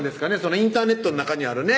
インターネットの中にあるね